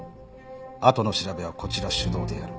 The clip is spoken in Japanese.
あとの調べはこちら主導でやる。